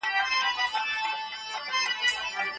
د نړۍ هيوادونه د خپلو ګټو په لټه کي دي.